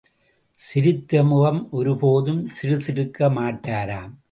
சிரித்தமுகம் ஒருபோதும் சிடுசிடுக்க மாட்டாராம்.